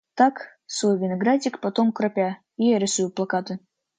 Так, свой виноградник потом кропя, и я рисую плакаты.